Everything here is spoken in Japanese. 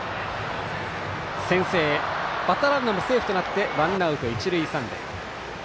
先制しましてバッターランナーもセーフでワンアウト、一塁三塁。